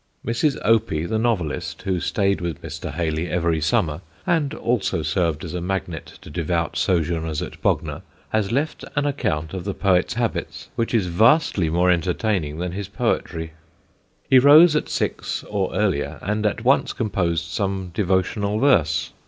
[Sidenote: HAYLEY HOUR BY HOUR] Mrs. Opie, the novelist, who stayed with Mr. Hayley every summer, and also served as a magnet to devout sojourners at Bognor, has left an account of the poet's habits which is vastly more entertaining than his poetry. He rose at six or earlier and at once composed some devotional verse.